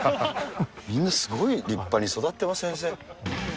みんなすごい立派に育ってま